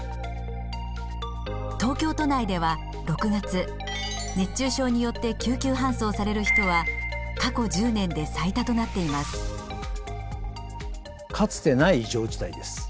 東京都内では６月熱中症によって救急搬送される人は過去１０年で最多となっています。